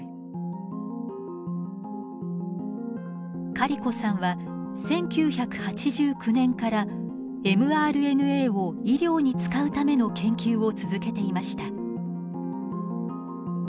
カリコさんは１９８９年からｍＲＮＡを医療に使うための研究を続けていました。